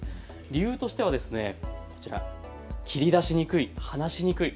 理由としてはこちら、切り出しにくい・話しにくい。